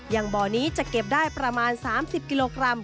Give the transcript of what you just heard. บ่อนี้จะเก็บได้ประมาณ๓๐กิโลกรัม